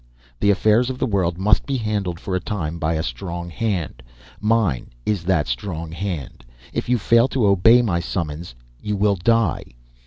The affairs of the world must be handled for a time by a strong hand. Mine is that strong hand. If you fail to obey my summons, you will die.